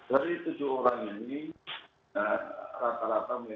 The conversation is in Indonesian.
dari tujuh orang ini rata rata memang memaaf terhadap pandangnya